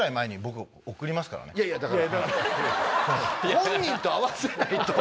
本人と合わせないと。